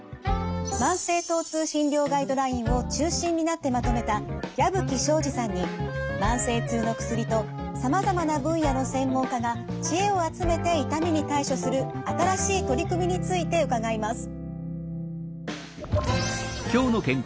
慢性疼痛診療ガイドラインを中心になってまとめた矢吹省司さんに慢性痛の薬とさまざまな分野の専門家が知恵を集めて痛みに対処する新しい取り組みについて伺います。